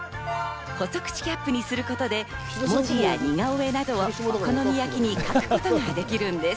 細口キャップにすることで文字や似顔絵などをお好み焼きに描くことができるんです。